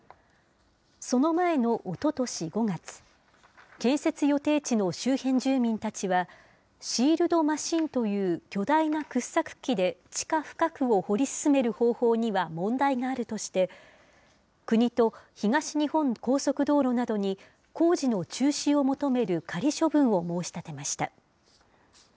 その前のおととし５月、建設予定地の周辺住民たちは、シールドマシンという巨大な掘削機で地下深くを掘り進める方法には問題があるとして、国と東日本高速道路などに、工事の中止を求める仮処分を申し立てました。